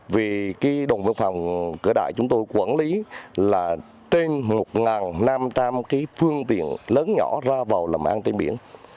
vì cái đồng văn phòng cửa đại chúng tôi quản lý là trên một năm trăm linh cái phương tiện lớn nhỏ ra vào làm an trên biển